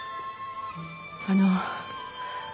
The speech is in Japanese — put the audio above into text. あの。